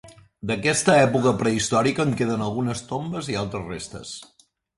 D'aquesta època prehistòrica en queden algunes tombes i altres restes.